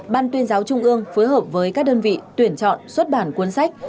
ban tuyên giáo trung ương phối hợp với các đơn vị tuyển chọn xuất bản cuốn sách